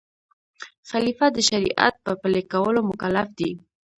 خلیفه د شریعت په پلي کولو مکلف دی.